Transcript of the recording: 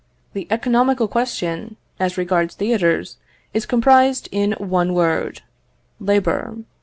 "The economical question, as regards theatres, is comprised in one word labour.